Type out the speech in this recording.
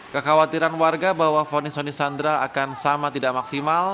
kekhawatiran warga bahwa fonis soni sandra akan sama tidak maksimal